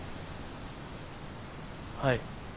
はい。